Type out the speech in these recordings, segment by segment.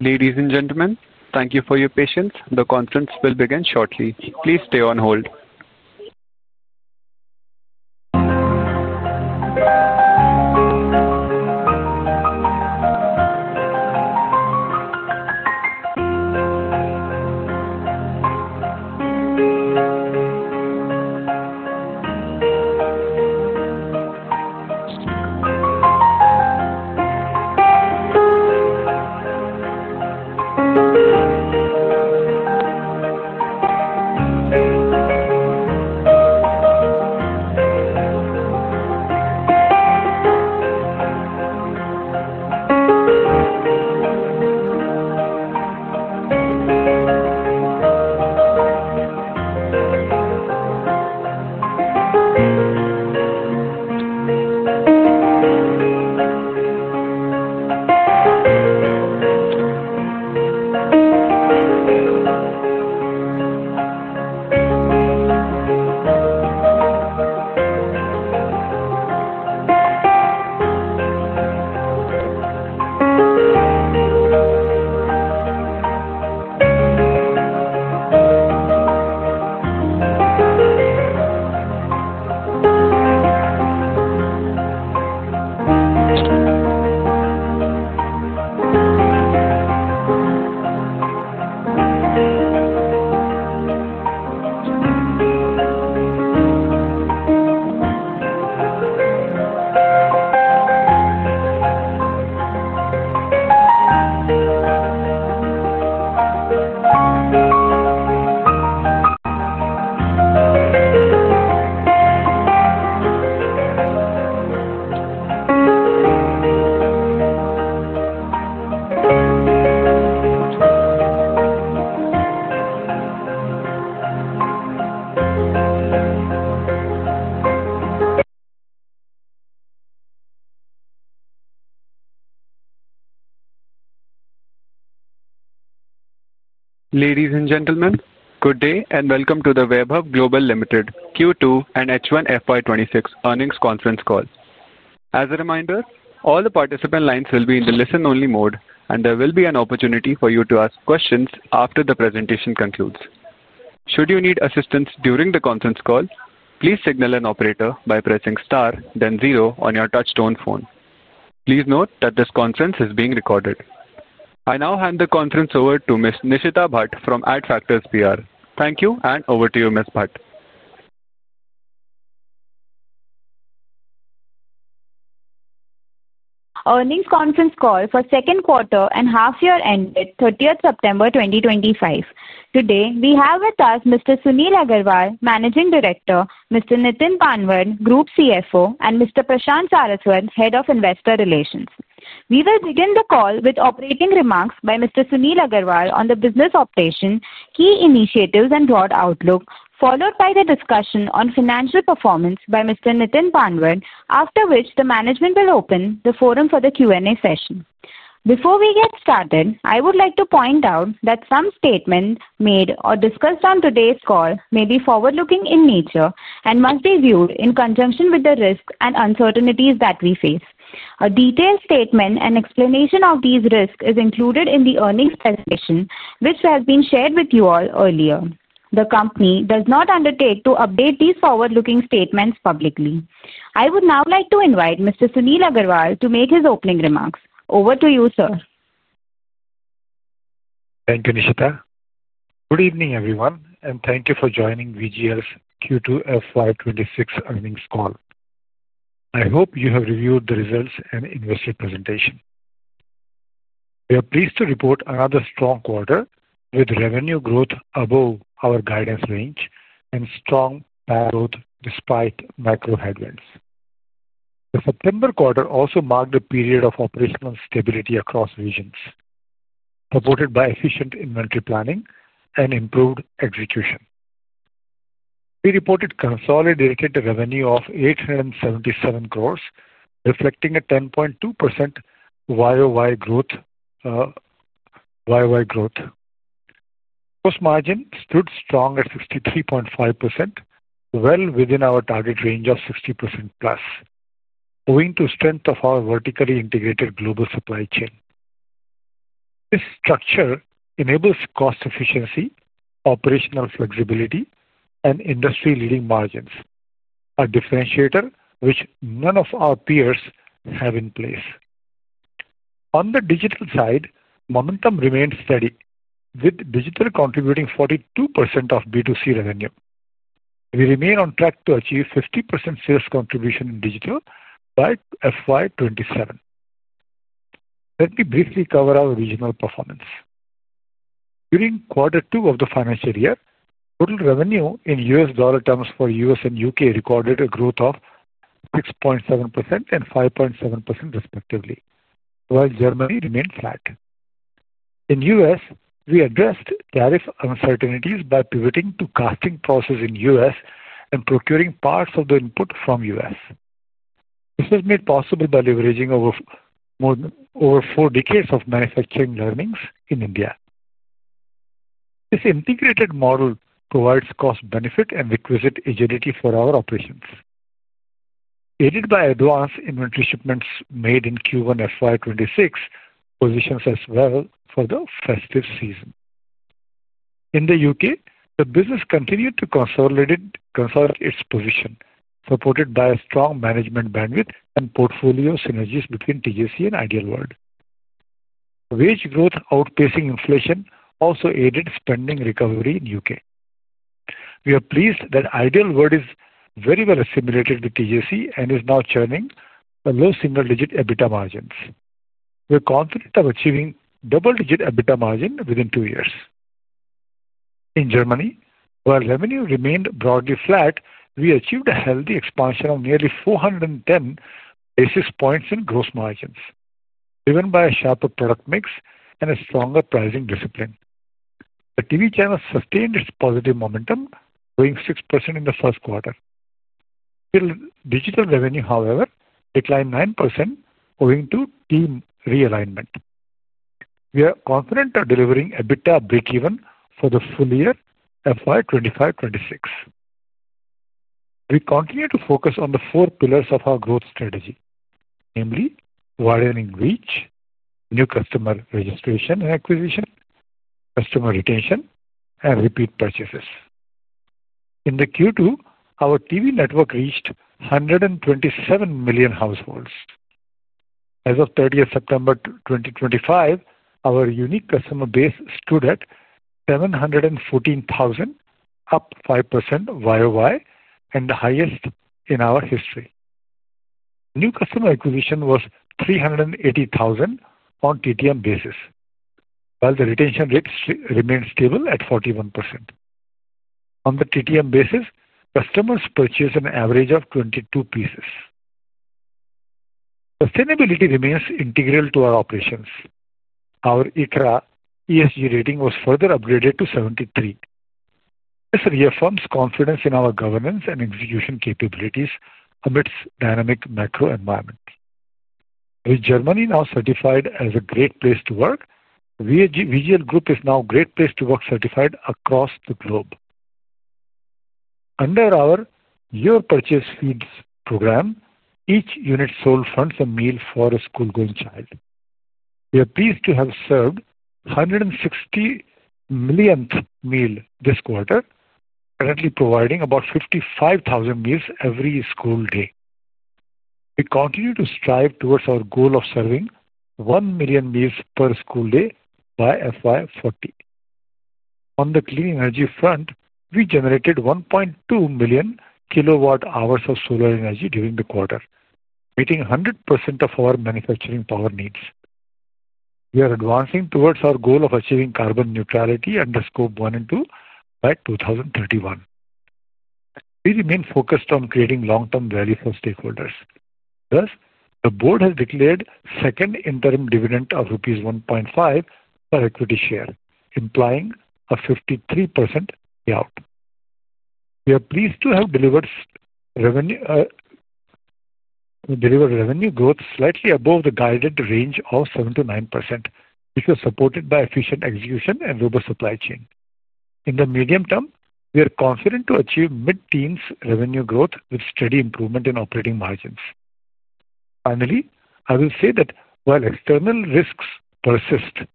Ladies and gentlemen, thank you for your patience. The conference will begin shortly. Please stay on hold. Ladies and gentlemen, good day and welcome to the Vaibhav Global Limited Q2 and H1 FY2026 earnings conference call. As a reminder, all the participant lines will be in the listen-only mode and there will be an opportunity for you to ask questions after the presentation concludes. Should you need assistance during the conference call, please signal an operator by pressing star then zero on your touch-tone phone. Please note that this conference is being recorded. I now hand the conference over to Ms. Nishita Bhatt from Adfactors PR. Thank you. Over to you, Ms. Bhatt. Earnings conference call for second quarter and half year ended 30th September 2025. Today we have with us Mr. Sunil Agrawal, Managing Director, Mr. Nitin Panwad, Group CFO, and Mr. Prashant Saraswat, Head of Investor Relations. We will begin the call with operating remarks by Mr. Sunil Agrawal on the business operation, key initiatives, and broad outlook, followed by the discussion on financial performance by Mr. Nitin Panwad. After which the management will open the forum for the Q&A session. Before we get started, I would like to point out that some statements made or discussed on today's call may be forward looking in nature and must be viewed in conjunction with the risks and uncertainties that we face. A detailed statement and explanation of these risks is included in the earnings presentation which has been shared with you all earlier. The company does not undertake to update these forward looking statements publicly. I would now like to invite Mr. Sunil Agrawal to make his opening remarks. Over to you sir. Thank you, Nishita. Good evening, everyone, and thank you for joining VGL's Q2 FY26 earnings call. I hope you have reviewed the results and investor presentation. We are pleased to report another strong quarter with revenue growth above our guidance range and strong growth despite macro headwinds. The September quarter also marked a period of operational stability across regions, supported by efficient inventory planning and improved execution. We reported consolidated revenue of 877, reflecting a 10.2% YoY growth. Gross margin stood strong at 63.5%, well within our target range of 60%+, owing to strength of our vertically integrated global supply chain. This structure enables cost efficiency, operational flexibility, and industry-leading margins, a differentiator which none of our peers have in place. On the digital side, momentum remains steady with digital contributing 42% of B2C revenue. We remain on track to achieve 50% sales contribution in digital by FY2027. Let me briefly cover our regional performance during quarter two of the financial year. Total revenue in U.S. dollar terms for U.S. and U.K. recorded a growth of 6.7% and 5.7%, respectively, while Germany remained flat. In U.S., we addressed tariff uncertainties by pivoting to casting process in U.S. and procuring parts of the input from U.S. This was made possible by leveraging over four decades of manufacturing learnings in India. This integrated model provides cost benefit and requisite agility for our operations, aided by advanced inventory shipments made in Q1. FY2026 positions us well for the festive season. In the U.K., the business continued to consolidate its position, supported by a strong management bandwidth and portfolio synergies between TJC and Ideal World. Wage growth outpacing inflation also aided spending recovery in U.K. We are pleased that Ideal World is very well assimilated with TJC and is now churning low single-digit EBITDA margins. We're confident of achieving double-digit EBITDA margin within two years. In Germany, while revenue remained broadly flat, we achieved a healthy expansion of nearly 410 basis points in gross margins, driven by a sharper product mix and a stronger pricing discipline. The TV channel sustained its positive momentum, growing 6% in the first quarter. Digital revenue, however, declined 9% owing to team realignment. We are confident of delivering EBITDA breakeven for the full year FY 2025-2026. We continue to focus on the four pillars of our growth strategy, namely widening reach, new customer registration and acquisition, customer retention, and repeat purchases. In Q2, our TV network reached 127 million households as of 30 September 2025. Our unique customer base stood at 714,000, up 5% YoY and the highest in our history. New customer acquisition was 380,000 on TTM basis, while the retention rate remains stable at 41% on the TTM basis. Customers purchase an average of 22 pieces. Sustainability remains integral to our operations. Our ICRA ESG rating was further upgraded to 73. This reaffirms confidence in our governance and execution capabilities amidst a dynamic macro environment. With Germany now certified as a great place to work, VGL Group is now Great Place to Work certified across the globe. Under our Your Purchase Feeds program, each unit sold funds a meal for a school-going child. We are pleased to have served the 160 millionth meal this quarter, currently providing about 55,000 meals every school day. We continue to strive towards our goal of serving 1 million meals per school day by FY 2040. On the clean energy front, we generated 1.2 million kWh of solar energy during the quarter, meeting 100% of our manufacturing power needs. We are advancing towards our goal of achieving carbon neutrality under Scope 1 and 2 by 2031. We remain focused on creating long-term value for stakeholders. Thus, the Board has declared a second interim dividend of rupees 1.5 per equity share, implying a 53% payout. We are pleased to have delivered revenue growth slightly above the guided range of 7% to 9%, which was supported by efficient execution and a robust supply chain. In the medium term, we are confident to achieve mid-teens revenue growth with steady improvement in operating margins. Finally, I will say that while external risks persist,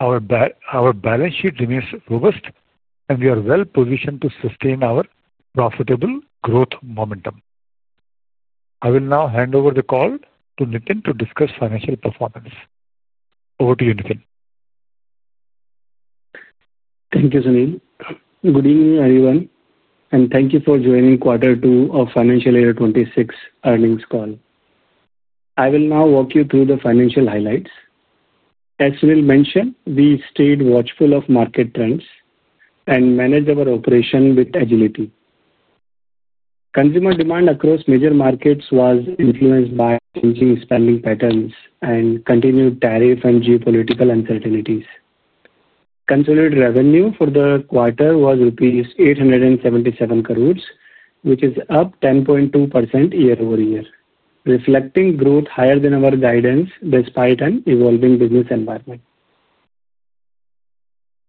our balance sheet remains robust, and we are well-positioned to sustain our profitable growth momentum. I will now hand over the call to Nitin to discuss financial performance. Over to you, Nitin. Thank you, Sunil. Good evening, everyone, and thank you for joining quarter two of financial year 2026 earnings call. I will now walk you through the financial highlights. As Sunil mentioned, we stayed watchful of market trends and managed our operation with agility. Consumer demand across major markets was influenced by changing spending patterns and continued tariff and geopolitical uncertainties. Consolidated revenue for the quarter was rupees 877 crore, which is up 10.2% year-over-year, reflecting growth higher than our guidance despite an evolving business environment.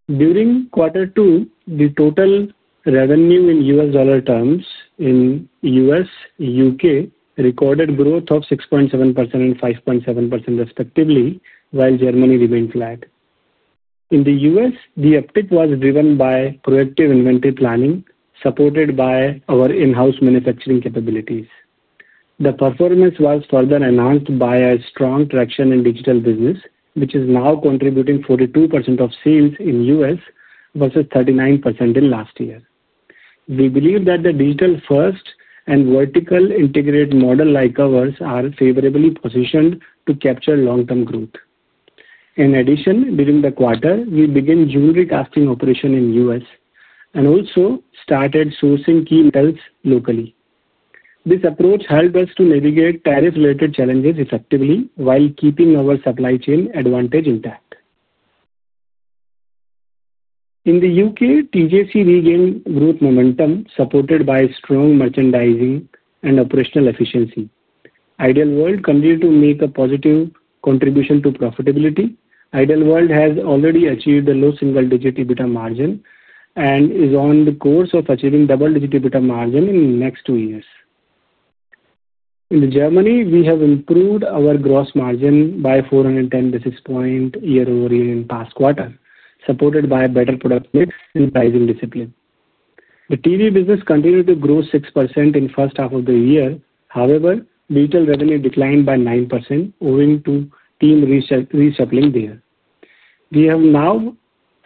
During quarter two, the total revenue in U.S. dollar terms in U.S. and U.K. recorded growth of 6.7% and 5.7%, respectively, while Germany remained flat. In the U.S., the uptick was driven by proactive inventory planning supported by our in-house manufacturing capability. The performance was further enhanced by a strong traction in digital business, which is now contributing 42% of sales in U.S. versus 39% in last year. We believe that the digital-first and vertically integrated model like ours are favorably positioned to capture long-term growth. In addition, during the quarter, we began jewelry casting operation in U.S. and also started sourcing key metals locally. This approach helped us to navigate tariff-related challenges effectively while keeping our supply chain advantage intact. In the U.K., TJC regained growth momentum supported by strong merchandising and operational efficiency. Ideal World continued to make a positive contribution to profitability. Ideal World has already achieved a low single-digit EBITDA margin and is on the course of achieving double-digit EBITDA margin in next two years. In Germany, we have improved our gross margin by 410 basis points year-over-year in past quarter, supported by a better product mix and pricing discipline. The TV business continued to grow 6% in first half of the year. However, digital revenue declined by 9% owing to team resettling there. We have now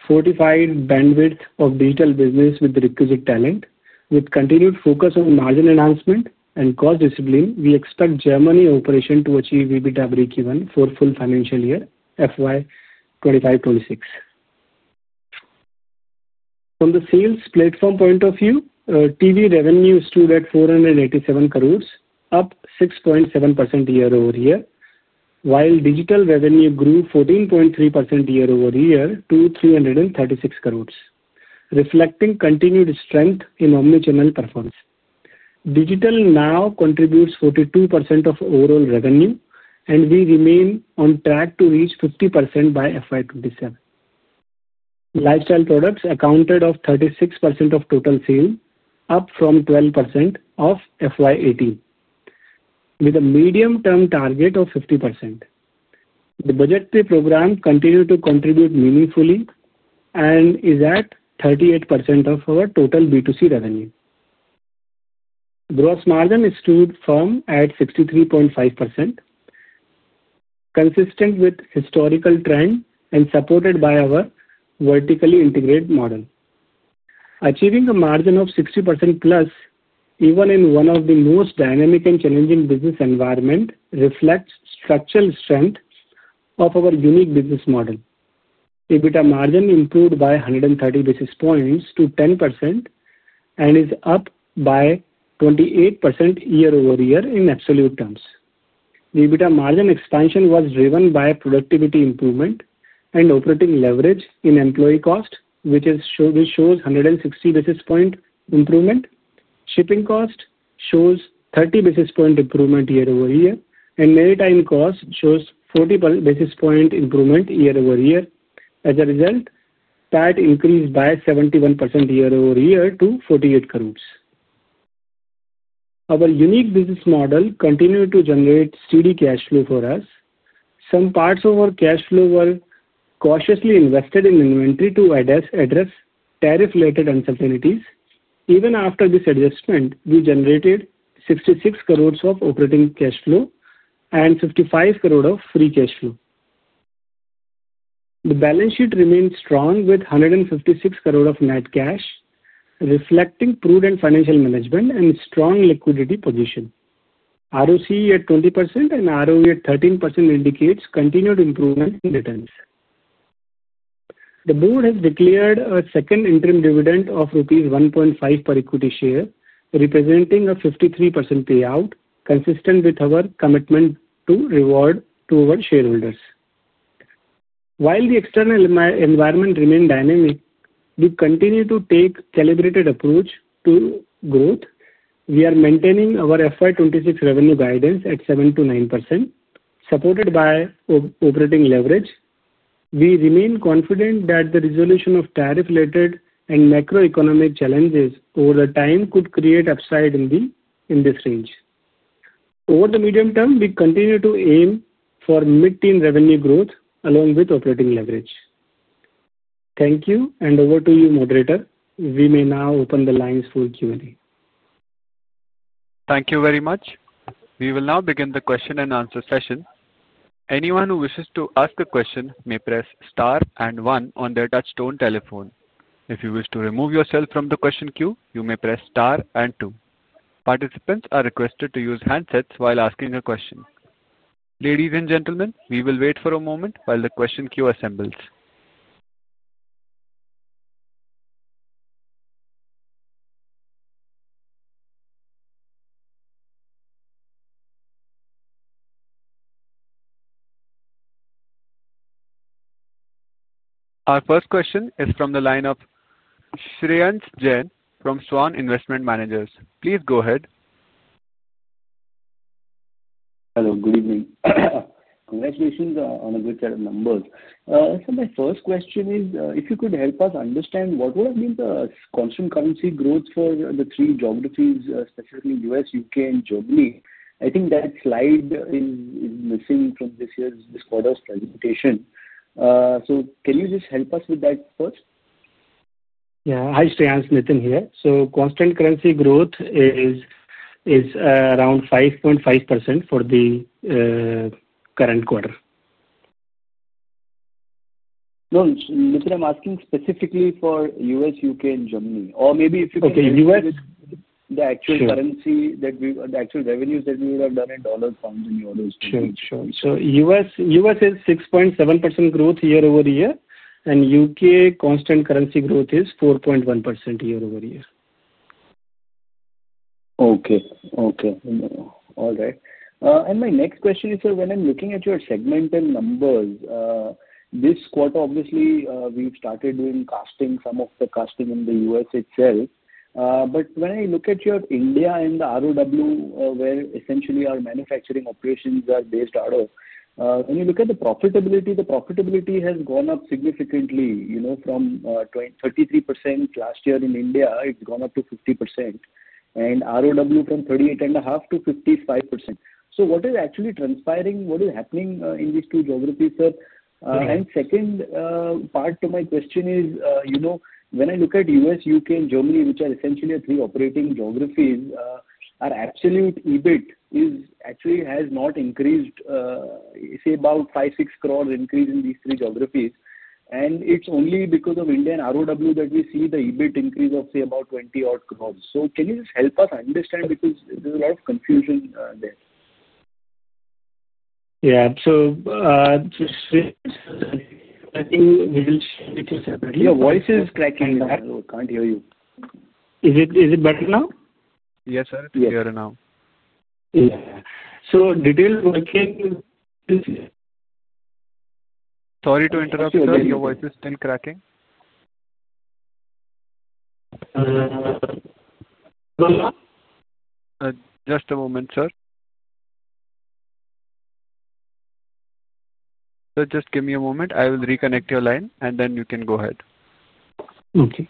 fortified bandwidth of digital business with the requisite talent. With continued focus on margin enhancement and cost discipline, we expect Germany operation to achieve EBITDA breakeven for full financial year FY 2025-2026. From the sales platform point of view, TV revenue stood at INR 487, up 6.7% year-over-year, while digital revenue grew 14.3% year-over-year to 336, reflecting continued strength in omnichannel performance. Digital now contributes 42% of overall revenue, and we remain on track to reach 50% by FY 2027. Lifestyle products accounted for 36% of total sales, up from 12% of FY 2018, with a medium-term target of 50%. The budgetary program continued to contribute meaningfully and is at 38% of our total B2C revenue. Gross margin stood firm at 63.5%, consistent with historical trend and supported by our vertically integrated model. Achieving a margin of 60%+ even in one of the most dynamic and challenging business environments reflects structural strength of our unique business model. EBITDA margin improved by 130 basis points to 10% and is up by 28% year-over-year in absolute terms. The EBITDA margin expansion was driven by productivity improvement and operating leverage in employee cost, which shows 160 basis point improvement. Shipping cost shows 30 basis point improvement year-over-year, and maritime cost shows 40 basis point improvement year-over-year. As a result, PAT increased by 71% year-over-year to 48. Our unique business model continued to generate steady cash flow for us. Some parts of our cash flow were cautiously invested in inventory to address tariff-related uncertainties. Even after this adjustment, we generated 66 of operating cash flow and 55 of free cash flow. The balance sheet remains strong with 156 of net cash, reflecting prudent financial management and strong liquidity position. ROCE at 20% and ROE at 13% indicate continued improvement in returns. The Board has declared a second interim dividend of rupees 1.5 per equity share, representing a 53% payout, consistent with our commitment to reward our shareholders. While the external environment remains dynamic, we continue to take a calibrated approach to growth. We are maintaining our FY 2026 revenue guidance at 7%-9%, supported by operating leverage. We remain confident that the resolution of tariff-related and macroeconomic challenges over time could create upside in this range. Over the medium term, we continue to aim for mid-teen revenue growth along with operating leverage. Thank you, and over to you, moderator. We may now open the lines for Q&A. Thank you very much. We will now begin the question-and-answer session. Anyone who wishes to ask a question may press star and one on their touchstone telephone. If you wish to remove yourself from the question queue, you may press star and two. Participants are requested to use handsets while asking a question. Ladies and gentlemen, we will wait for a moment while the question queue assembles. Our first question is from the line of Shreyansh Jain from Swan Investment Managers. Please go ahead. Hello, good evening. Congratulations on a good set of numbers. My first question is if you could help us understand what would have been the constant currency growth for the three geographies, specifically U.S., U.K., and Germany. I think that slide is missing from this year's VGL presentation. Can you just help us with that first? Hi Shreyansh, Nitin here. Constant currency growth is around 5.5% for the current quarter. No, I'm asking specifically for U.S., U.K., and Germany, or maybe if you have the actual currency, the actual revenues that we would have done in dollars. U.S. is 6.7% growth year-over-year, and U.K. constant currency growth is 4.1% year-over-year. Okay, okay. All right. My next question is. When I'm looking at your segment and numbers this quarter, obviously we've started doing some of the casting in the U.S. itself. When I look at your India and the ROW where essentially our manufacturing operations are based out of, when you look at the profitability. The profitability has gone up significantly, you know, from 33% last year in India, it's gone up to 50%, and ROW from 38.5% to 55%. What is actually transpiring, what is happening in these two geographies? Sir? The second part to my question is, you know, when I look at U.S., U.K., and Germany, which are essentially three operating geographies, our absolute EBIT actually has not increased, say about 5 or 6 increase in these three geographies. It's only because of India and ROW that we see the EBIT increase of, say, about 20. Can you just help us understand because there's a lot of confusion there? Yeah, so. Your voice is cracking. Can't hear you. Is it better now? Yes sir, it's here now. So detail. Sorry to interrupt, sir. Your voice is still cracking. Just a moment, sir. Give me a moment, I will reconnect your line and then you can go ahead. Okay.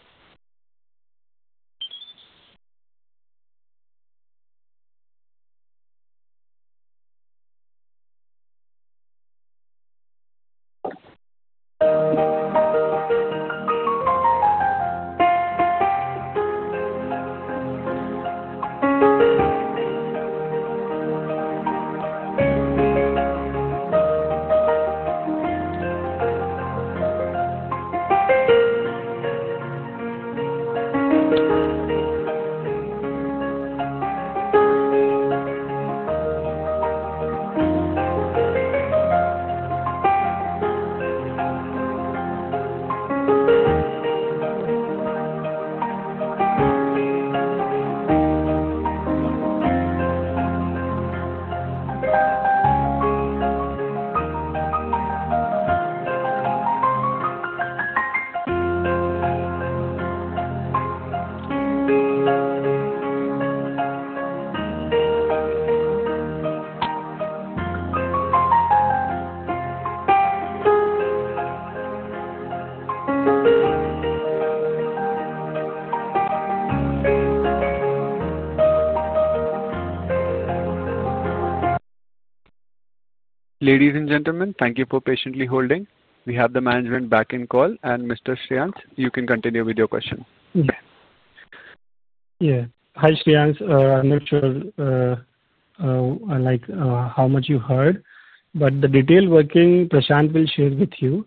Ladies and gentlemen, thank you for patiently holding. We have the management back on the call and Mr. Shreyansh, you can continue with your question. Yeah, yeah. Hi Shreyansh, I'm not sure how much you heard, but the detail working, Prashant will share with you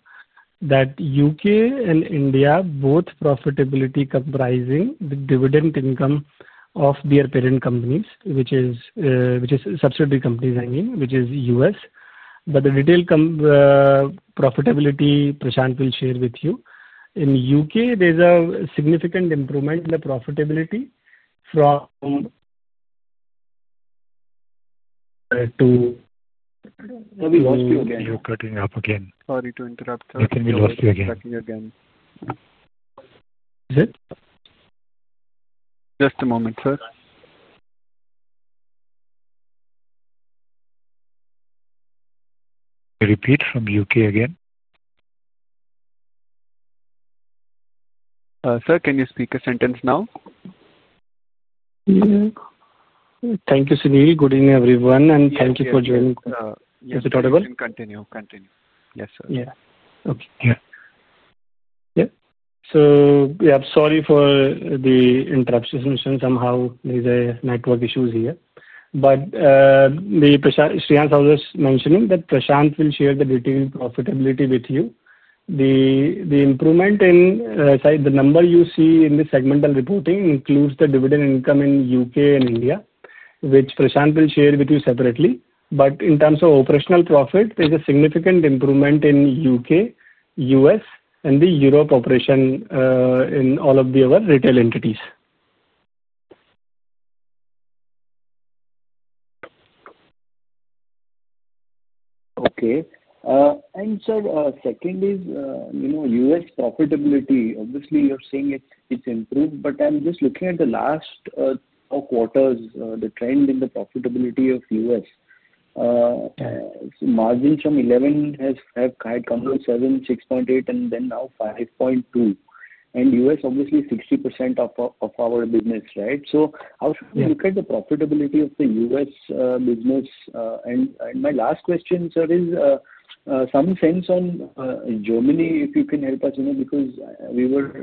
that U.K. and India both profitability comprising the dividend income of their parent companies, which is, which is subsidiary companies, I mean which is us. The detail profitability, Prashant will share with you. In U.K., there's a significant improvement in the profitability. To interrupt, is it just a moment, sir? Repeat from U.K. again. Sir, can you speak a sentence now? Thank you, Sunil. Good evening, everyone, and thank you for joining. Is it audible? Continue. Yes. Yeah. Okay. Yeah. Sorry for the interruption. Somehow there is a network issue here. Shreyansh, I was mentioning that Prashant will share the detailed profitability with you. The improvement in the number you see in the segmental reporting includes the dividend income in the U.K. and India, which Prashant will share with you separately. In terms of operational profit, there's a significant improvement in the U.K., U.S., and the Europe operation in all of the other retail entities. Okay. Sir, second is, you know, U.S. profitability. Obviously you're saying it, it's improved, but I'm just looking at the last four quarters. The trend in the profitability of U.S. margins from 11 has come to 7, 6.8, and then now 5.2, and U.S. obviously 60% of our business. Right? How should we look at the profitability of the U.S. business? My last question, sir, is some sense on Germany if you can help us. We were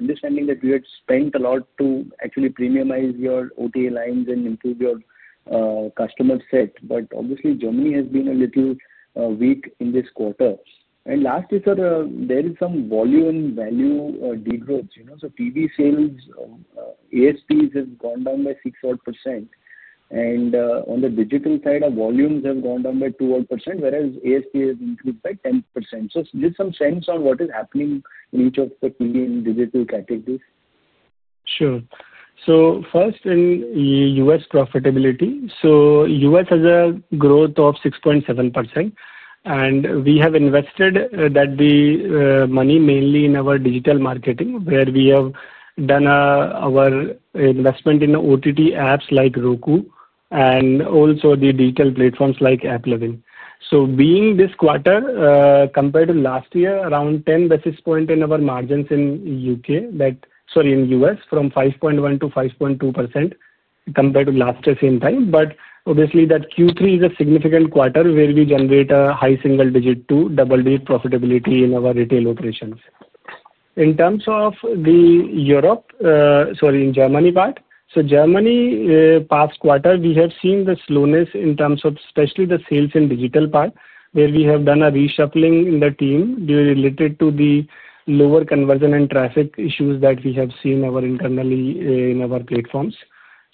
understanding that we had spent a lot to actually premiumize your OTA lines and improve your customer set. Obviously, Germany has been a little weak in this quarter. Lastly, sir, there is some volume value degrowth. PV sales ASPs have gone down by 6% and on the digital side our volumes have gone down by 2% whereas ASP has increased by 10%. Give some sense on what is happening in each of the digital categories. Sure. First, in U.S. profitability, U.S. has a growth of 6.7% and we have invested that money mainly in our digital marketing where we have done our investment in OTT apps like Roku and also the digital platforms like [AppLovin SDK]. This quarter compared to last year, around 10 point in our margins in U.K.—sorry, in U.S.—from 5.1% to 5.2% compared to last year same time. Q3 is a significant quarter where we generate a high single digit to double digit profitability in our retail operations. In terms of the Europe—sorry, in Germany part—Germany past quarter we have seen the slowness in terms of especially the sales in digital part where we have done a reshuffling in the team related to the lower conversion and traffic issues that we have seen internally in our platforms.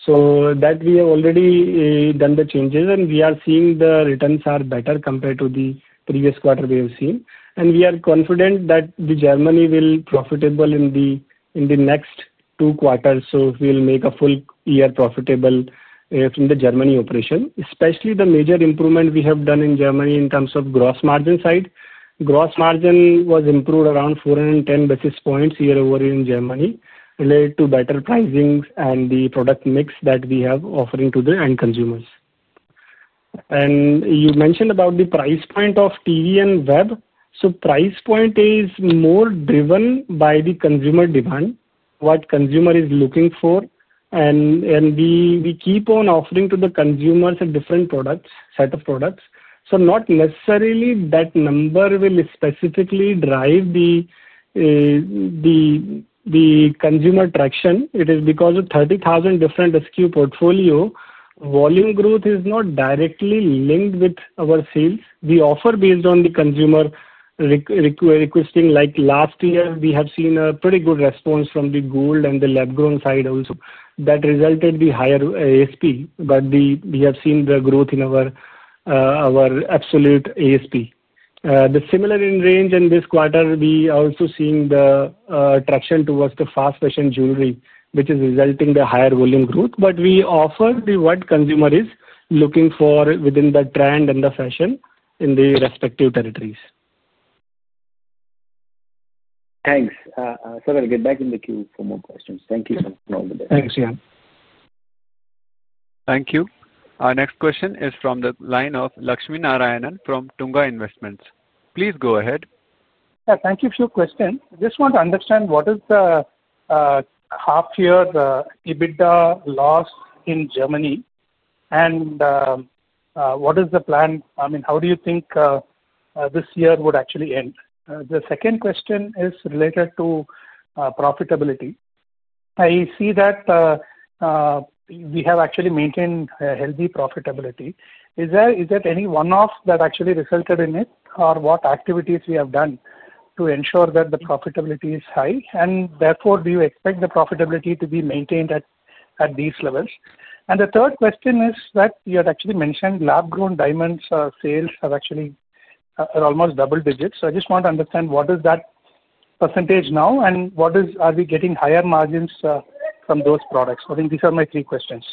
We have already done the changes and we are seeing the returns are better compared to the previous quarter we have seen and we are confident that Germany will be profitable in the next two quarters. We will make a full year profitable from the Germany operation. Especially, the major improvement we have done in Germany in terms of gross margin side, gross margin was improved around 410 basis points year-over-year in Germany related to better pricing and the product mix that we are offering to the end consumers. You mentioned about the price point of TV and web. Price point is more driven by the consumer demand, what consumer is looking for, and we keep on offering to the consumers a different set of products. Not necessarily that number will specifically drive the consumer traction. It is because of 30,000 different SKU portfolio, volume growth is not directly linked with our sales we offer based on the consumer requesting. Like last year, we have seen a pretty good response from the gold and the lab-grown side also that resulted in the higher ASP. We have seen the growth in our absolute ASP, the similar in range in this quarter. We also seen the traction towards the fast fashion jewelry which is resulting in the higher volume growth. We offer what consumer is looking for within the trend and the fashion in the respective territories. Thanks, sir. I'll get back in the queue for more questions. Thank you. Thanks Shreyansh. Thank you. Our next question is from the line of Lakshmi Narayanan from Tunga Investments. Please go ahead. Thank you for your question. Just want to understand what is the half year EBITDA loss in Germany and what is the plan? I mean how do you think this year would actually end? The second question is related to profitability. I see that we have actually maintained healthy profitability. Is there any one off that actually resulted in it or what activities we have done to ensure that the profitability is high and therefore do you expect the profitability to be maintained at these levels? The third question is that you had actually mentioned lab-grown diamonds sales have actually almost double digits. I just want to understand what is that percentage now and are we getting higher margins from those products? I think these are my three questions.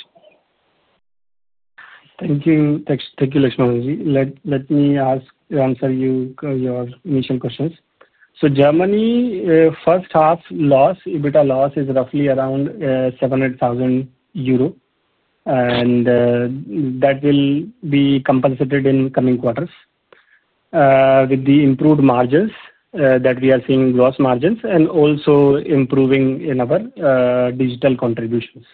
Thank you. Let me answer your initial questions. Germany first half EBITDA loss is roughly around 700,000 euro, and that will be compensated in coming quarters with the improved margins that we are seeing. Gross margins are also improving in our digital contributions.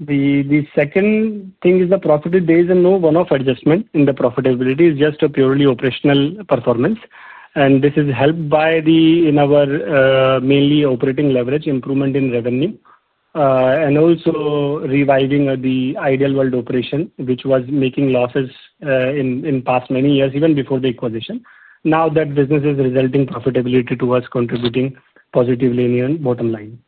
The second thing is the profitability is a no. 1 off adjustment in the profitability; it is just a purely operational performance, and this is helped mainly by operating leverage improvement in revenue and also reviving the Ideal World operation, which was making losses in past many years even before the acquisition. Now that business is resulting in profitability to us, contributing positively in your bottom line.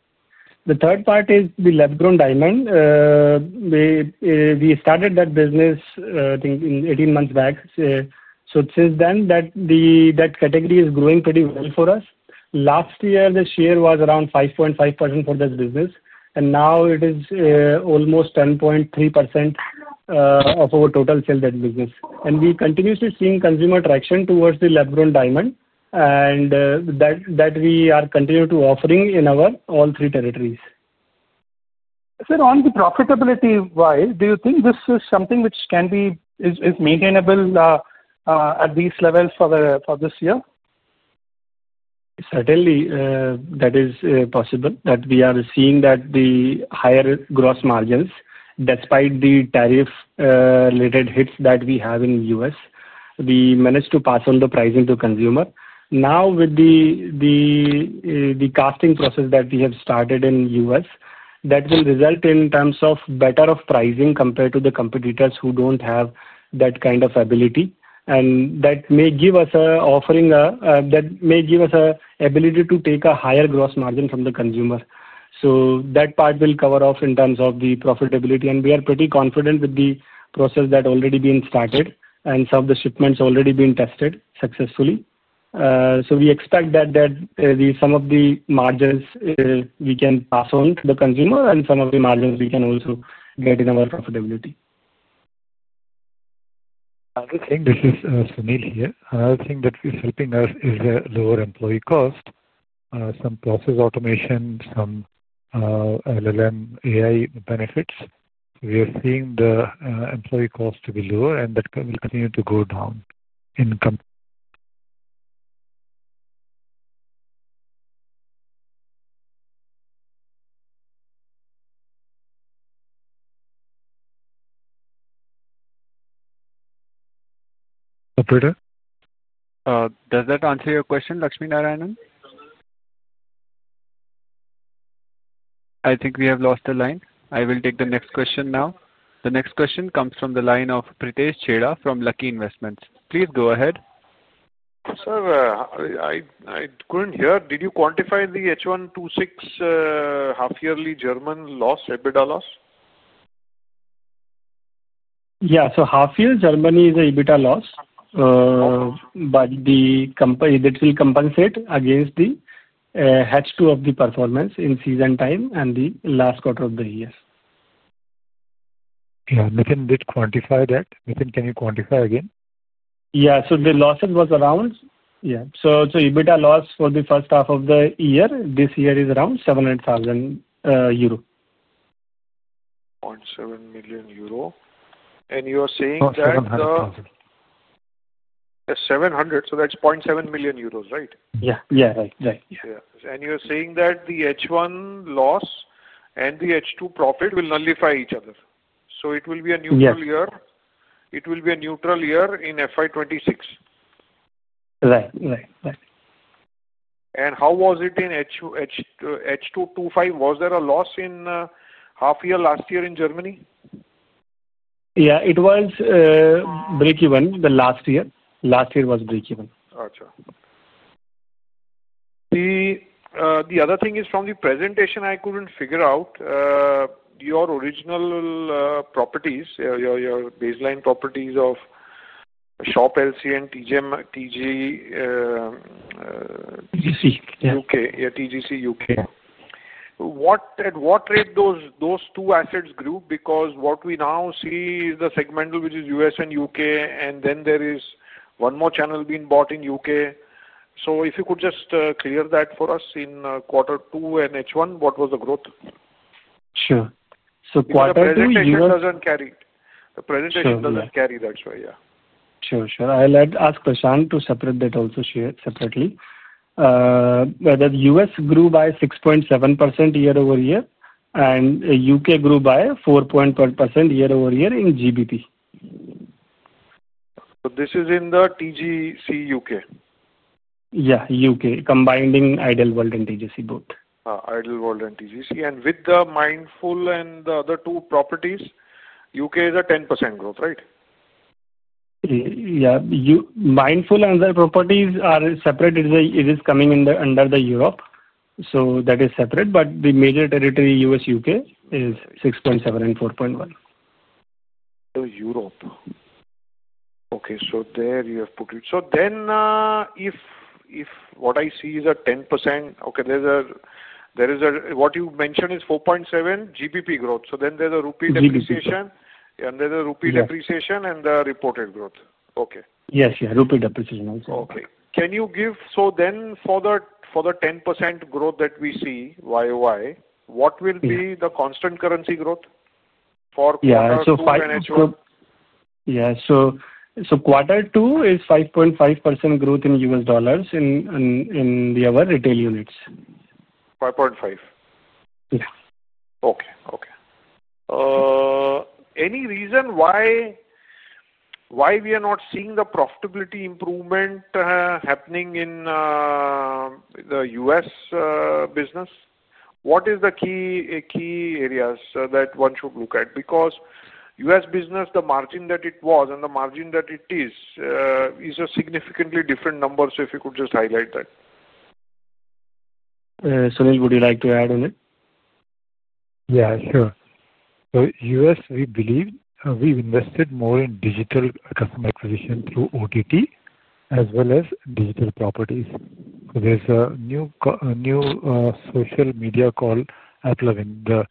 The third part is the lab-grown diamond. We started that business 18 months back, so since then that category is growing pretty well for us. Last year the share was around 5.5% for this business, and now it is almost 10.3% of our total sale debt business. We continuously see consumer traction towards the lab-grown diamond, and we are continuing to offer it in all three territories. Sir, on the profitability side, do you think this is something which can be maintainable at these levels for this year? Certainly, that is possible. We are seeing that the higher gross margins, despite the tariff-related hits that we have in the U.S., we managed to pass on the pricing to the consumer. Now with the casting process that we have started in the U.S., that will result in terms of better pricing compared to the competitors who don't have that kind of ability. That may give us an offering, that may give us an ability to take a higher gross margin from the consumer. That part will cover off in terms of the profitability, and we are pretty confident with the process that has already been started, and some of the shipments have already been tested successfully. We expect that some of the margins we can pass on to the consumer, and some of the margins we can also profitability. This is Sunil here. Another thing that is helping us is the lower employee cost. Some process automation, some LLM AI benefits. We are seeing the employee cost to be lower, and that will continue to go down in company. Does that answer your question? Lakshmi Narayanan, I think we have lost the line. I will take the next question now. The next question comes from the line of Pritesh Chheda from Lucky Investments. Please go ahead. Sir, I couldn't hear. Did you quantify the H1 2026 half yearly German loss, EBITDA loss? Yeah. Half year Germany is a EBITDA loss, but the company will compensate against the H2 of the performance in season time and the last quarter of the year. Can you quantify that? Nitin, can you quantify again? Yeah, the losses was around. EBITDA loss for the first half of the year this year is around 700,000 euro. 7 million euro. You are saying 700. That's 0.7 million euros. Right? Yeah, right. You're saying that the H1 loss and the H2 profit will nullify each other. It will be a neutral year in FY 2026. How was it in H2 2025? Was there a loss in half year last year in Germany? Yeah, it was break even last year. Last year was break even. The other thing is from the presentation I couldn't figure out your original properties, your baseline properties of Shop LC and TJ Uhhhm, C. Okay. TJC U.K. At what rate, those two assets grew? What we now see is the segmental, which is U.S. and U.K., and then there is one more channel being bought in U.K. If you could just clear that for us in quarter two and H1. What was the growth? Sure. The presentation doesn't carry. That's why. Yeah. Sure, sure. I'll add, ask question to separate that. Also, share separately whether the U.S. grew by 6.7% year-over-year and U.K. grew by 4.1% year-over-year in GBP. This is in the TJC U.K. Yeah. U.K. combining Ideal World and TJC both. Ideal World and TJC with the Mindful and the two properties U.K. is a 10% growth rate. Yeah, you Mindful and the properties are separated. It is coming in under the Europe. That is separate, but the major territory U.S., U.K. is 6.7 and 4.1. So is Europe. Okay, so there you have put it. If what I see is a 10%. Okay. There's a. What you mentioned is 4.7 GBP growth. There is a rupee depreciation and the reported growth. Okay. Yes. Yeah, rupee depreciation. Okay, can you give. For the 10% growth that we see YoY, what will be the constant currency growth? Yeah, 5. Quarter two is 5.5% growth in U.S. dollars in our retail units. 5.5. Okay. Okay. Any reason why we are not seeing the profitability improvement happening in the U.S. business? What are the key areas that one should look at because U.S. business, the margin that it was and the margin that it is, is a significantly different number. If you could just highlight that. Sunil, would you like to add on it? Yeah, sure. We believe we invested more in digital customer acquisition through OTT as well as digital properties. There's a new social media called [AppLovin], the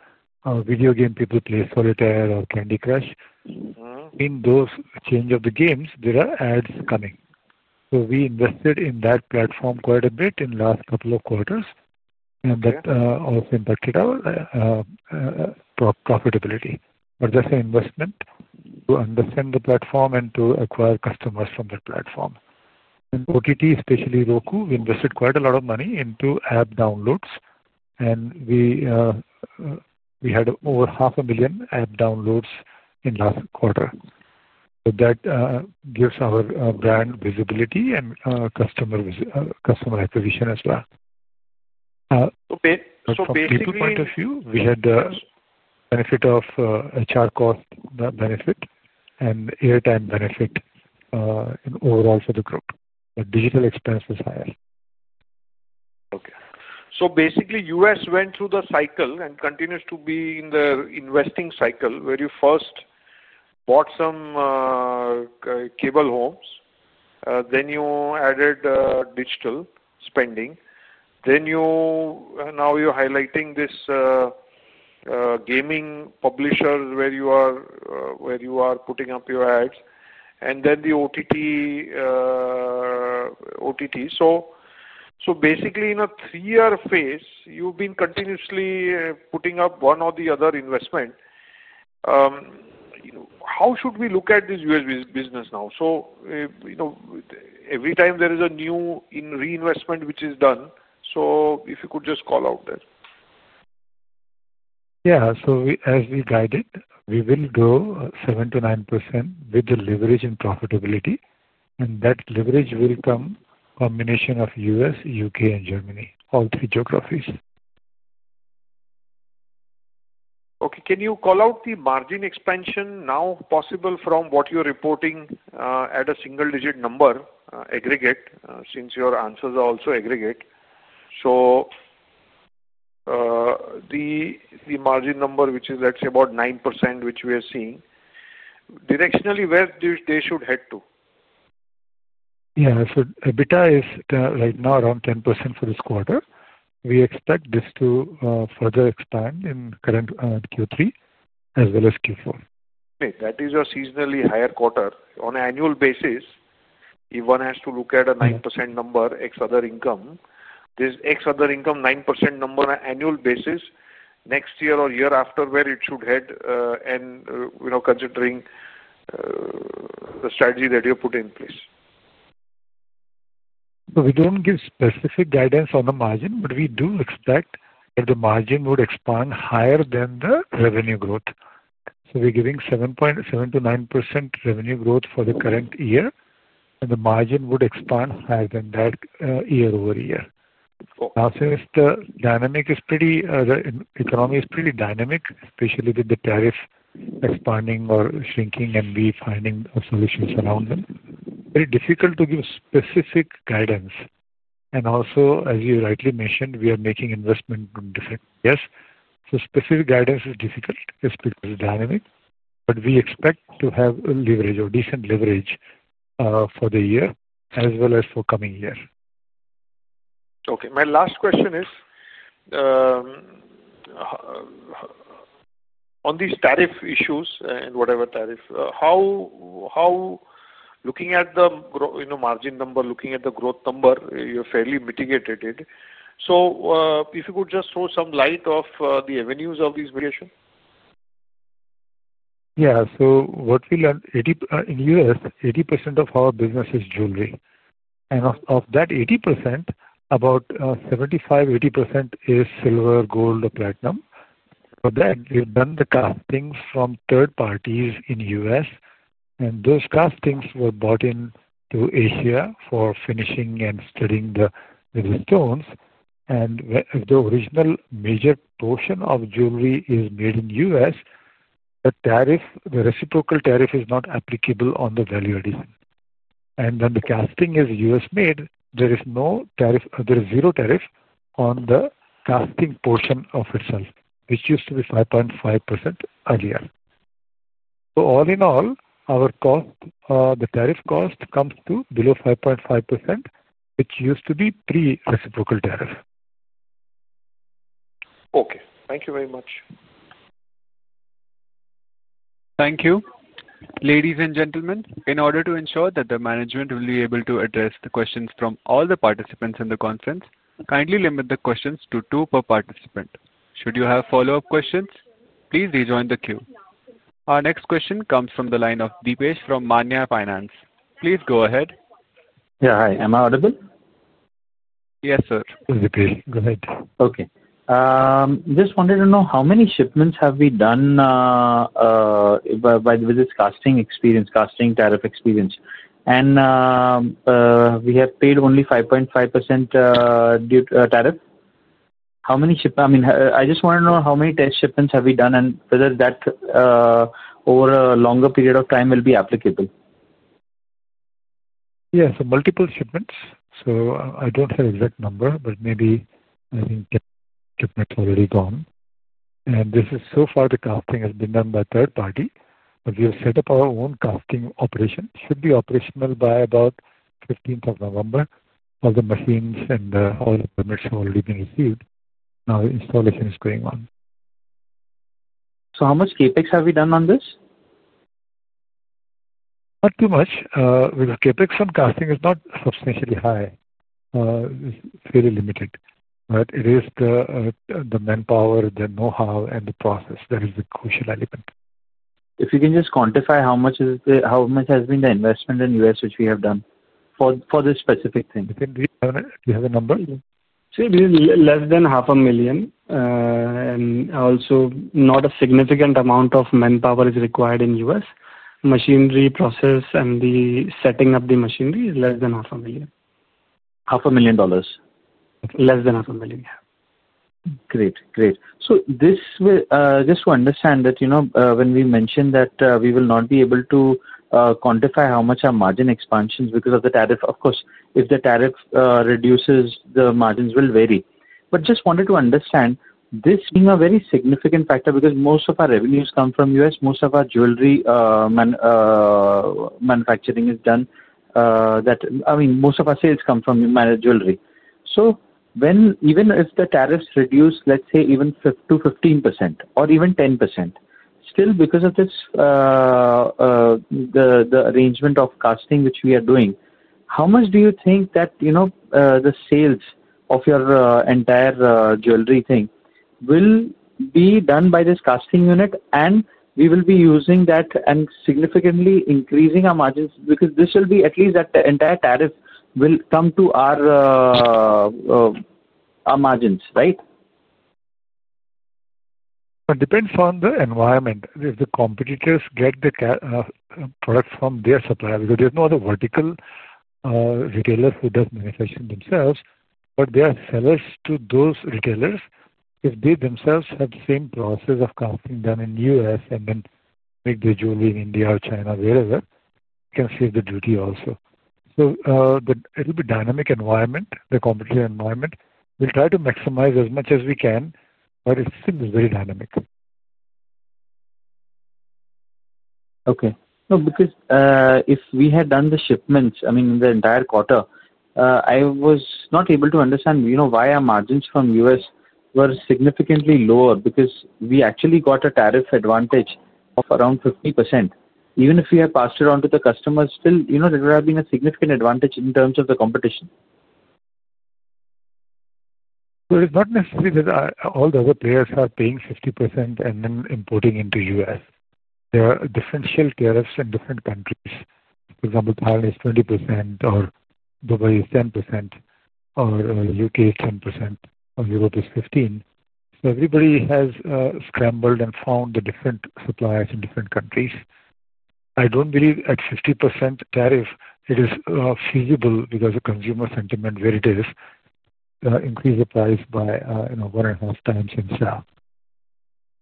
video game people play Solitaire or Candy Crush. In those games there are ads coming. We invested in that platform quite a bit in the last couple of quarters, and that also impacted our profitability. That's an investment to understand the platform and to acquire customers from the platform. In OTT, especially Roku, we invested quite a lot of money into app downloads, and we had over half a million app downloads in the last quarter. That gives our brand visibility and customer acquisition as well. From a people point of view, we had the benefit of HR cost benefit, airtime benefit. Overall for the group, the digital expense is higher. Okay, so basically U.S. went through the cycle and continues to be in the investing cycle where you first bought some cable homes, then you added digital spending, then now you're highlighting this gaming publishers where you are putting up your ads and then the OTT. So basically in a three year phase you've been continuously putting up one or the other investment. How should we look at this U.S. business now? Every time there is a new reinvestment which is done. If you could just call out there. Yeah, as we guided, we will grow 7% to 9% with the leverage and profitability, and that leverage will come from a combination of U.S., U.K., and Germany, all three geographies. Okay, can you call out the margin expansion now? Possible from what you're reporting at a single-digit number aggregate since your answers are also aggregate. So. The margin number, which is let's say about 9%, is what we are seeing directionally where they should head to. Yeah, EBITDA is right now around 10% for this quarter. We expect this to further expand in current Q3 as well as Q4. That is your seasonally higher quarter on annual basis. If one has to look at a 9% number X other income, this X other income 9% number annual basis next year or year after, where it should head, considering the strategy that you put in place. We don't give specific guidance on the margin, but we do expect that the margin would expand higher than the revenue growth. We're giving 7.7% to 9% revenue growth for the current year, and the margin would expand higher than that year-over-year. Since the economy is pretty dynamic, especially with the tariff expanding or shrinking and refining solutions around them, it is very difficult to give specific guidance. As you rightly mentioned, we are making investment in different areas. Yes, specific guidance is difficult just because it's dynamic, but we expect to have leverage or decent leverage for the year as well as for the coming year. Okay, my last question is. On these. Tariff issues and whatever tariff, how looking at the margin number, looking at the growth number, you fairly mitigated it. If you could just throw some light on the avenues of these variations? Yeah. What we learned in the U.S. is 80% of our business is jewelry. Of that 80%, about 75% to 80% is silver, gold, or platinum. For that, we've done the castings from third parties in the U.S., and those castings were brought in to Asia for finishing and setting the stones. The original major portion of jewelry is made in the U.S. The tariff, the reciprocal tariff, is not applicable on the value addition. When the casting is U.S. made, there is no tariff. There is zero tariff on the casting portion itself, which used to be 5.5% earlier. All in all, our cost, the tariff cost, comes to below 5.5%, which used to be pre-reciprocal tariff. Okay, thank you very much. Thank you. Ladies and gentlemen, in order to ensure that the management will be able to address the questions from all the participants in the conference, kindly limit the questions to two per participant. Should you have follow up questions, please rejoin the queue. Our next question comes from the line of Deepesh from Maanya Finance. Please go ahead. Yeah, hi, am I audible? Yes, sir. Okay, just wanted to know how many shipments have we done by the visits. Casting experience, casting tariff experience. We have paid only 5.5% tariff. How many ship, I mean I just want to know how many test shipments have we done and whether that over a longer period of time will be applicable? Yes, multiple shipments. I don't have exact number, but I think it's already gone. This is so far the casting has been done by third party. We have set up our own casting operation, which should be operational by about November 15. All the machines and all the permits have already been received. Now installation is going on. How much CapEx have we done on this? Not too much. CapEx on casting is not substantially high, fairly limited. It is the manpower, the know-how, and the process that is the crucial element. If you can just quantify how much has been the investment in the U.S. which we have done for this specific thing. Less than $0.5 million. Also, not a significant amount of manpower is required in U.S. machinery process, and the setting up the machinery is less than $0.5 million. $0.5 million? Less than $0.5 million. Great, great. This will just understand that, you know, when we mentioned that we will not be able to quantify how much our margin expansions because of the tariff. Of course, if the tariff reduces, the margins will vary. Just wanted to understand this being a very significant factor because most of our revenues come from the U.S. Most of our jewelry manufacturing is done that. I mean, most of our sales come from jewelry. Even if the tariffs reduce, let's say even to 15% or even 10%, still because of this, the arrangement of casting, which we are doing, how much do you think that, you know, the sales of your entire jewelry thing will be done by this casting unit and we will be using that and significantly increasing our margins because this will be at least that the entire tariff will come to our margins. Right? It depends on the environment. If the competitors get the product from their supplier, because there's no other vertical retailer who does manufacturing themselves, but they are sellers to those retailers. If they themselves have same process of counseling done in the U.S. and then make the jewelry in India or China, wherever can save the duty also. It will be a dynamic environment, the competitive environment. We'll try to maximize as much as we can. It seems very dynamic. Okay. Because if we had done the shipments, I mean the entire quarter, I was not able to understand why our margins from U.S. were significantly lower. Because we actually got a tariff advantage of around 50%. Even if we have passed it on to the customers, still, there have been a significant advantage in terms of the competition? It is not necessary that all the other players are paying 50% and then importing into the U.S. There are different shale tariffs in different countries. For example, Thailand is 20%, Dubai is 10%, the U.K. is 10%, and Europe is 15%. Everybody has scrambled and found different suppliers in different countries. I don't believe at a 50% tariff it is feasible because of consumer sentiment, where it would increase the price by one and a half times in sale.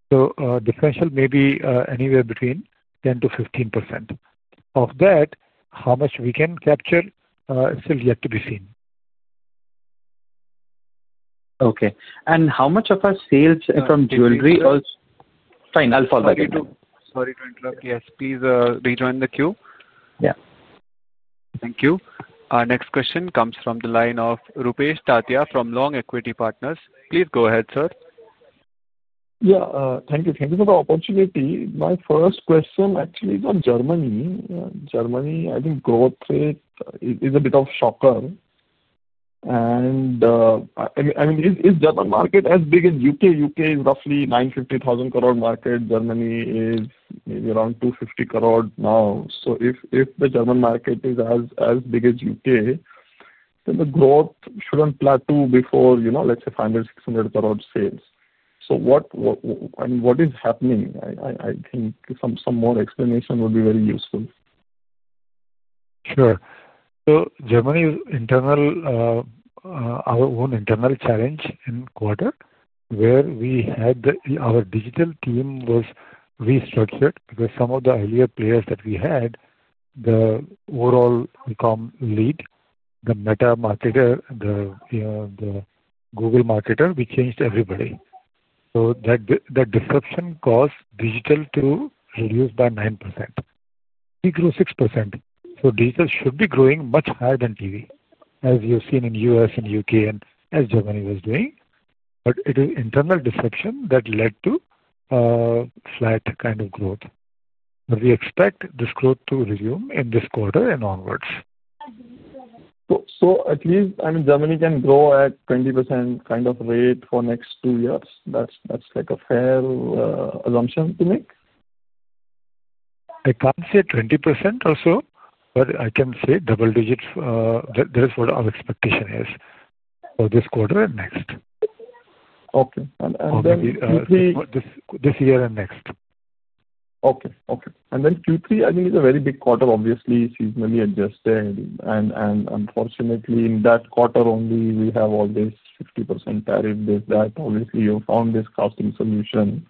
The differential may be anywhere between 10% to 15% of that. How much we can capture is still yet to be seen. Okay. How much of our sales are from jewelry? Fine, I'll follow. Sorry to interrupt. Yes, please rejoin the queue. Yeah. Thank you. Next question comes from the line of Rupesh Tatia from Long Equity Partners, please go ahead, sir. Thank you. Thank you for the opportunity. My first question actually is on Germany. Germany, I think growth rate is a bit of a shocker. I mean, is German market as big as U.K.? U.K. is roughly 950 million market. Germany maybe around 250 million now. If the German market is as big as U.K., then the growth shouldn't plateau before, you know, let's say 500 million, 600 million sales. What is happening? I think some more explanation would be very useful. Sure. Germany internal, our own internal challenge in quarter where we had our digital team was restructured because some of the earlier players that we had, the overall ecom lead, the meta marketer, the Google marketer, we changed everybody. The disruption caused digital to reduce by 9%. We grew 6%. Data should be growing much higher than TV as you've seen in U.S. and U.K. and as Germany was doing. It is internal disruption that led to flat kind of growth. We expect this growth to resume in this quarter and onwards. At least, I mean, Germany can grow at 20% kind of rate for next two years. That's like a fair assumption to make? I can't say 20% or so, but I can say double digits. That is what our expectation is for this quarter and next. This year and next. Q3 I think is a very big quarter, obviously seasonally adjusted, and unfortunately in that quarter only we have all this 50% tariff. With that, obviously you found this costing solution.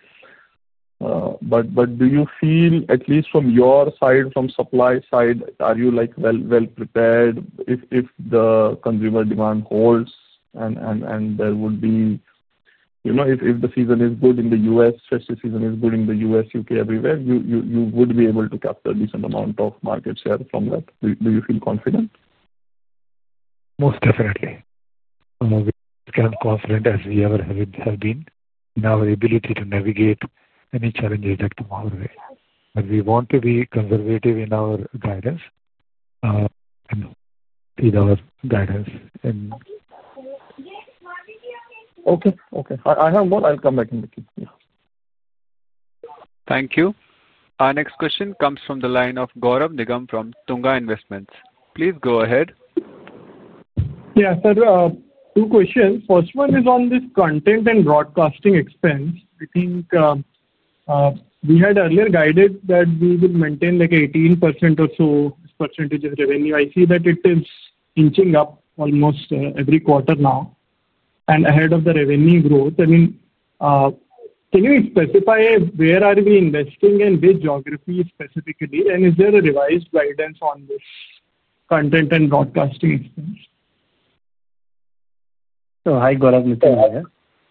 Do you feel at least from your side, from supply side, are you well prepared if the consumer demand holds and there would be, you know, if the season is good in the U.S., especially season is good in the U.S., U.K., everywhere, you would be able to capture a decent amount of market share from that. Do you feel confident? Most definitely confident as we ever have been in our ability to navigate any challenges like tomorrow. We want to be conservative in our guidance. Okay. Okay, I have more. I'll come back in with you. Thank you. Our next question comes from the line of Gaurav Nigam from Tunga Investments. Please go ahead. Sir, two questions. First one is on this content and broadcasting expense. I think we had earlier guided that we would maintain like 18% or so percentage of revenue. I see that it is inching up almost every quarter now and ahead of the revenue growth. I mean, can you specify where are we investing, in which geography specifically? Is there a revised guidance on this content and broadcasting expense? Hi Gaurav, Nitin,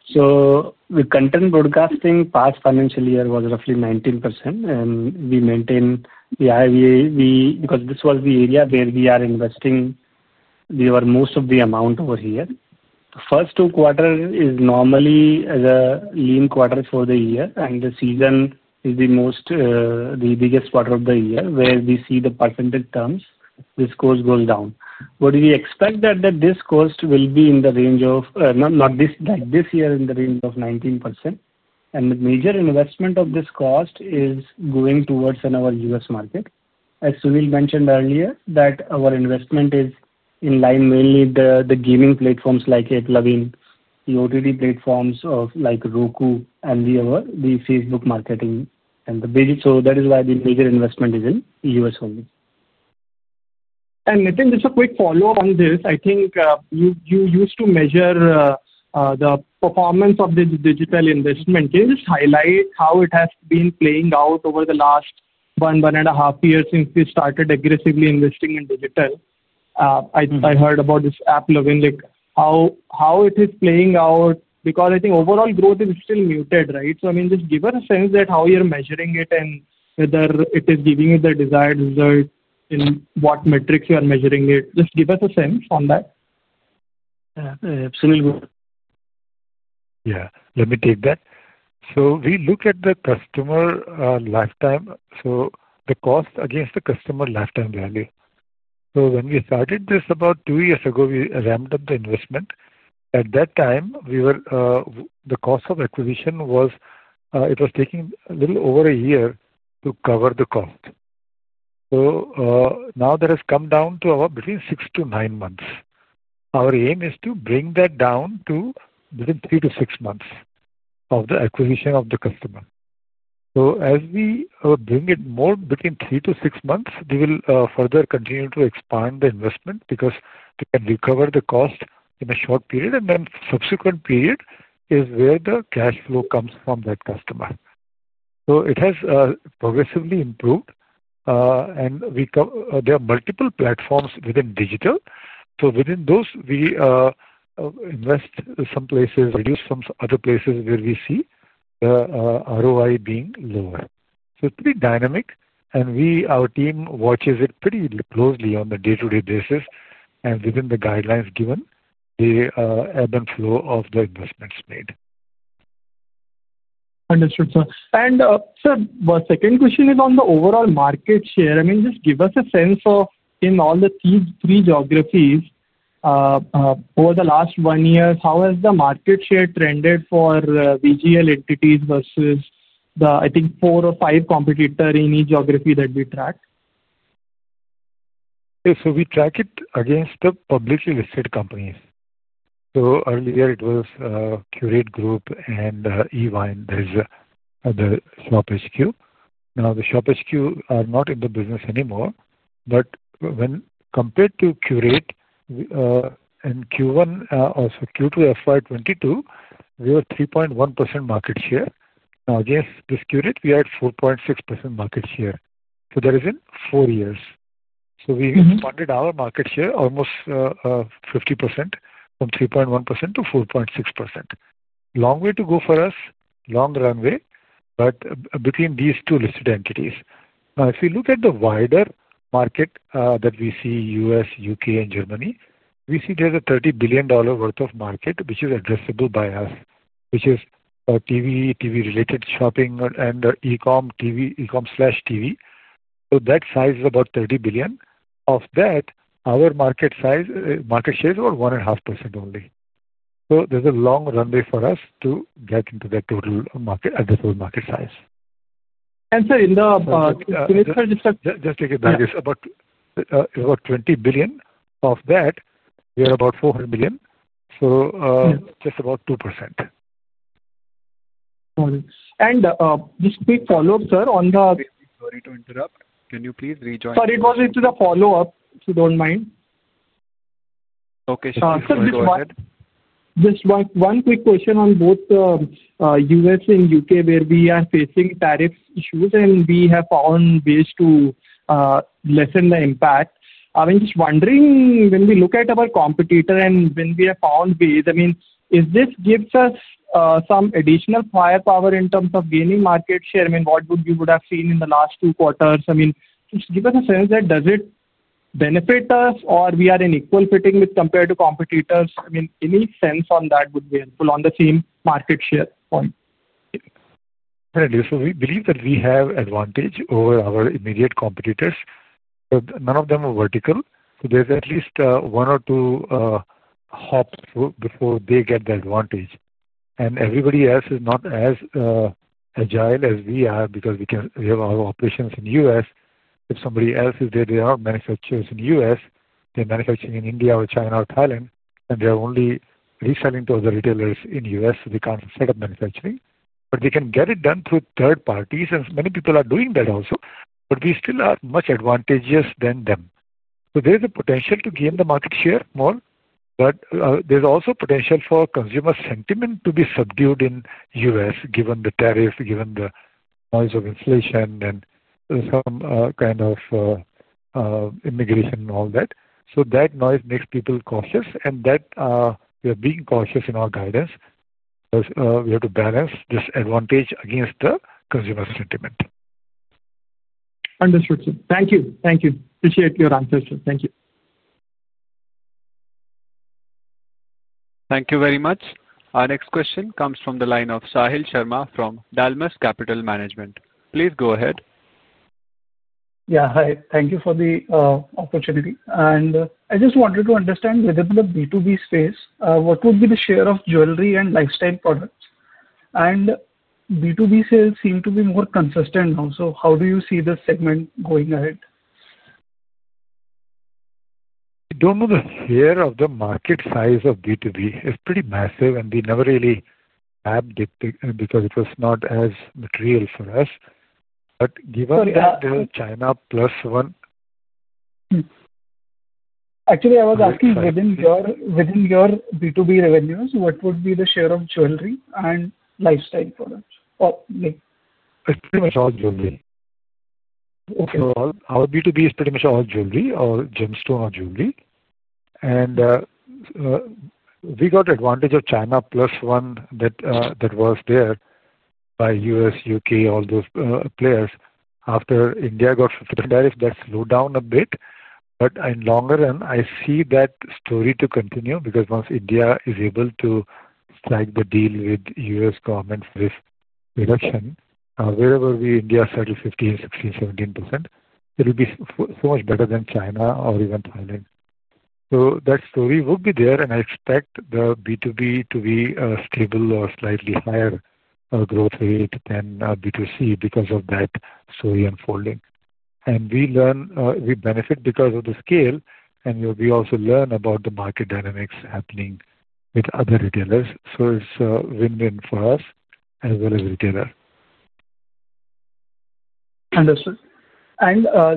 so the content broadcasting past financial year was roughly 19%, and we maintain the IVA because this was the area where we are investing most of the amount. Over here, first two quarters is normally the lean quarter for the year, and the season is the most, the biggest quarter of the year where we see the percentage terms, this cost goes down. We expect that this cost will be in the range of, not this, like this year, in the range of 19%. The major investment of this cost is going towards our U.S. market. As Sunil mentioned earlier, our investment is in line mainly with the gaming platforms, the OTT platforms like Roku, and the other, the Facebook marketing and the basic. That is why the major investment is in the U.S. only. Nitin, just a quick follow-up on this. I think you used to measure the performance of this digital investment, highlight how it has been playing out over the last one, one and a half years since we started aggressively investing in digital. I heard about this, [AppLovin], how it is playing out because I think overall growth is still muted. Right? Give us a sense that how you're measuring it and whether it is giving you the desired result, in what metrics you are measuring it. Just give us a sense on that. Yeah, let me take that. We look at the customer lifetime, the cost against the customer lifetime value. When we started this about two years ago, we ramped up the investment. At that time, the cost of acquisition was taking a little over a year to cover the cost. Now that has come down to between six to nine months. Our aim is to bring that down to within three to six months of the acquisition of the customer. As we bring it more between three to six months, we will further continue to expand the investment because they can recover the cost in a short period, and then the subsequent period is where the cash flow comes from that customer. It has progressively improved, and there are multiple platforms within digital. Within those, we invest some places, reduce some other places where we see the ROI being lower. It's pretty dynamic, and our team watches it pretty closely on a day-to-day basis within the guidelines given the ebb and flow of the investments made. Understood, sir. The second question is on the overall market share. Just give us a sense of, in all the three geographies, over the last one year, how has the market share trended for VGL entities versus the, I think, four or five competitors in each geography that we track. We track it against the publicly listed companies. Earlier it was Curate Group and Evine, there's the Shop HQ. Now the Shop HQ are not in the business anymore. When compared to Curate in Q1, also Q2 FY 2022, we were at 3.1% market share. Now against this Curate, we had 4.6% market share. That is in four years. We expanded our market share almost 50% from 3.1% to 4.6%. Long way to go for us. Long runway. Between these two listed entities, if you look at the wider market that we see, U.S., U.K., and Germany, we see there's a $30 billion worth of market which is addressable by us, which is TV, TV-related shopping, and Ecom TV, Ecom/TV. That size is about $30 billion. Of that, our market share was 1.5% only. There's a long runway for us to get into the total addressable market size. And so. Just take it back about $20 billion. Of that, we are about $400 million, so just about 2%. This quick follow up, sir, on. Sorry to interrupt. Can you please rejoin the queue. Just a follow up if you don't mind. Okay. Just one quick question on both U.S. and U.K. where we are facing tariffs issues and we have found ways to lessen the impact. I mean just wondering when we look at our competitor and when we are [1B], I mean if this gives us some additional firepower in terms of gaining market share. What you would have seen in the last two quarters, just give us a sense that does it benefit us or we are in equal fitting compared to competitors. Any sense on that would be helpful on the same market share point. We believe that we have advantage over our immediate competitors. None of them are vertical, so there's at least one or two hops before they get the advantage. Everybody else is not as agile as we are because we have our operations in the U.S. If somebody else is there, they are manufacturers in the U.S., they're manufacturing in India or China or Thailand, and they're only reselling to other retailers in the U.S. They can't set up manufacturing, but we can get it done through third parties, and many people are doing that also. We still are much more advantageous than them. There's a potential to gain the market share more. There's also potential for consumer sentiment to be subdued in the U.S. given the tariff, given the noise of inflation, and some kind of immigration and all that. That noise makes people cautious. We are being cautious in our guidance. We have to balance this advantage against the consumer sentiment. Understood, sir. Thank you. Thank you. Appreciate your answer, sir. Thank you. Thank you very much. Our next question comes from the line of Sahil Sharma from Dalmus Capital Management. Please go ahead. Yeah. Hi. Thank you for the opportunity. I just wanted to understand within the B2B space what would be the share of jewelry and lifestyle products, and B2B sales seem to be more consistent. Also, how do you see the segment going ahead? Don't know. The share of the market size of B2B is pretty massive, and we never really app because it was not as material for us. Given that China Plus One. I was asking within your B2B revenues, what would be the share of jewelry and lifestyle products? Pretty much all jewelry. Our B2B is pretty much all jewelry or gemstone or jewelry. We got advantage of China Plus One. That was there by U.S., U.K. All those players after India got 15% tariff, that slowed down a bit. In the longer run, I see that story to continue because once India is able to strike the deal with U.S. government risk reduction, wherever we in India settle 15%, 16%, 17%, it will be so much better than China or even Thailand. That story will be there. I expect the B2B to be stable or slightly higher growth rate than B2C because of that story unfolding. We learn, we benefit because of the scale, and we also learn about the market dynamics happening with other retailers. It's a win-win for us as well as retailer. Understood.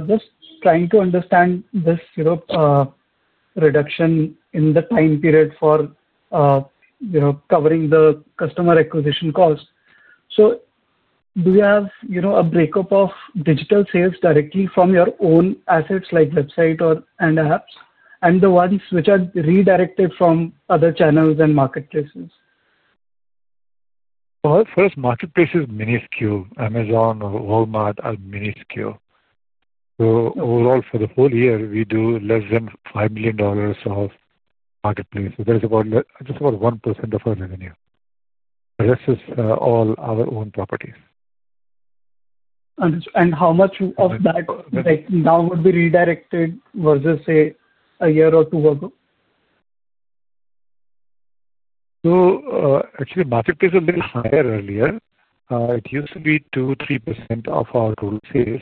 Just trying to understand this reduction in the time period for covering the customer acquisition cost. Do you have a breakup of digital sales directly from your own assets like website and apps, and the ones which are redirected from other channels and marketplaces? Marketplaces minuscule. Amazon or Walmart are minuscule. Overall, for the whole year we do less than $5 million of marketplaces. That's just about 1% of our revenue. This is all our own properties. How much of that now would be redirected versus say a year or two ago? Actually, marketplace is a little higher. Earlier, it used to be 2-3% of our total sales.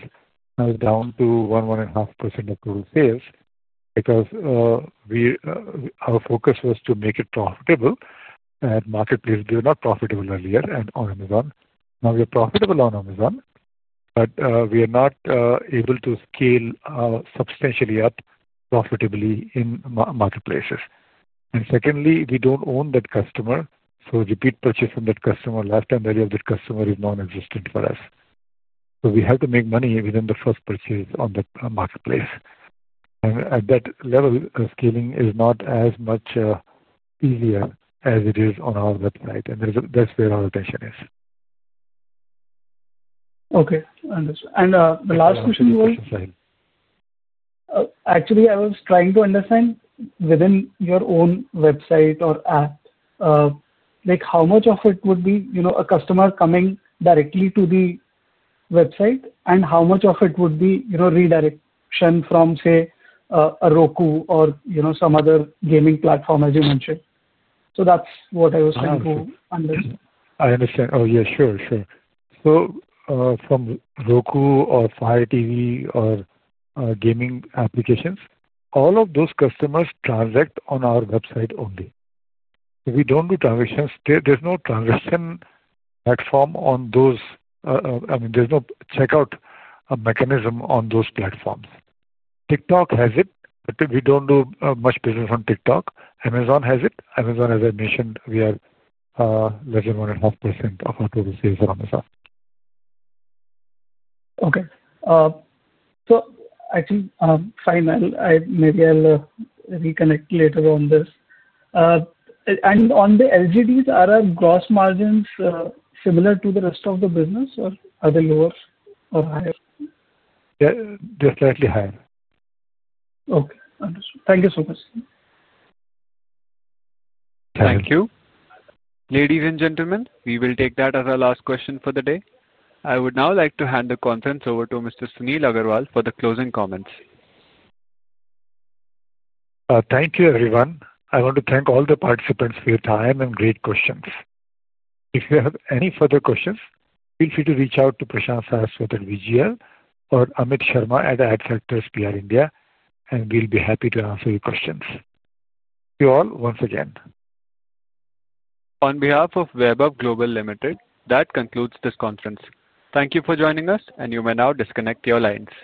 Now it's down to 1%-1.5% of total sales because our focus was to make it profitable at marketplace. They were not profitable earlier and on Amazon. Now we are profitable on Amazon, but we are not able to scale substantially up profitably in marketplaces. Secondly, we don't own that customer, so repeat purchase from that customer, lifetime value of the customer is non-existent for us. We have to make money within the first purchase on the marketplace, and at that level, scaling is not as much easier as it is on our website. That's where our attention is. Okay, the last question, actually I was trying to understand within your own website or app, how much of it would be a customer coming directly to the website and how much of it would be redirection from, say, a Roku or some other gaming platform as you mentioned. That's what I was. I understand. Sure, sure. From Roku or Fire TV or gaming applications, all of those customers transact on our website only. We don't do transactions. There's no transaction platform on those. I mean, there's no checkout mechanism on those platforms. TikTok has it. We don't do much business on TikTok. Amazon has it. Amazon, as I mentioned, we are less than 1.5% of our total sales are Amazon. Okay, I think fine, maybe I'll reconnect later on this. On the lab-grown diamonds, are our gross margins similar to the rest of the business or are they lower or higher? Definitely higher. Okay, thank you so much. Thank you, ladies and gentlemen. We will take that as our last question for the day. I would now like to hand the conference over to Mr. Sunil Agrawal for the closing comments. Thank you everyone. I want to thank all the participants for your time and great questions. If you have any further questions, feel free to reach out to Prashant Saraswat at VGL or Amit Sharma at Adfactors PR India, and we'll be happy to answer your questions. Thank you all once again on behalf. On Vaibhav Global Limited. That concludes this conference. Thank you for joining us and you may now disconnect your lines.